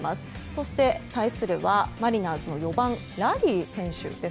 そして、対するはマリナーズの４番、ラリー選手。